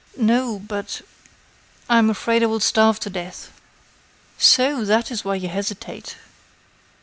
"No.... but....I am afraid I will starve to death." "So! that is why you hesitate.